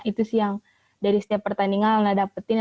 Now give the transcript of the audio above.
itu sih yang dari setiap pertandingan lana dapetin